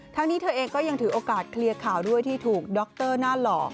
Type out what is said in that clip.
นี้เธอเองก็ยังถือโอกาสเคลียร์ข่าวด้วยที่ถูกดรหน้าหล่อ